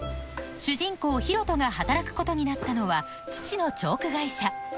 主人公・広翔が働くことになったのは父のチョーク会社